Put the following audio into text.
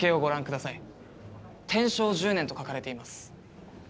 天正１０年と書かれています。